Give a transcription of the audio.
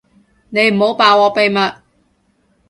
你唔好爆我秘密